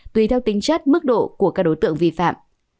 tùy theo tính chất mức độ của các đối tượng vi phạm